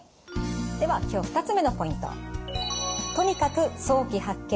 では今日２つ目のポイント。